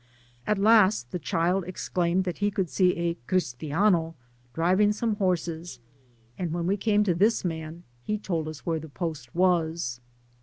At last the child ex * daimi^d) that he could see a ^^ Cristiano^' driving some horses, and when we came to this man, he told us where the post was.